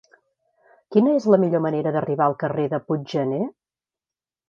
Quina és la millor manera d'arribar al carrer de Puiggener?